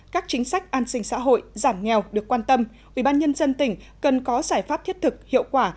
các chính sách an sinh xã hội giảm nghèo được quan tâm ủy ban nhân dân tỉnh cần có giải pháp thiết thực hiệu quả